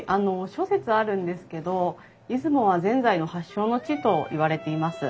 諸説あるんですけど出雲はぜんざいの発祥の地といわれています。